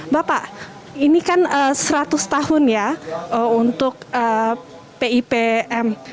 bapak ini kan seratus tahun ya untuk pipm